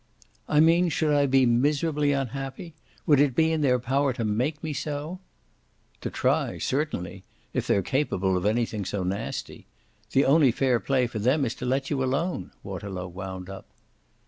"I mean should I be miserably unhappy? Would it be in their power to make me so?" "To try certainly, if they're capable of anything so nasty. The only fair play for them is to let you alone," Waterlow wound up.